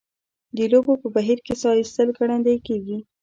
د لوبو په بهیر کې ساه ایستل ګړندۍ کیږي.